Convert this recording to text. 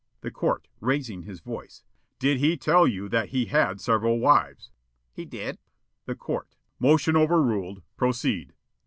The Court, raising his voice: "Did he tell you that he had several wives?" Yollop: "He did." The Court: "Motion overruled. Proceed."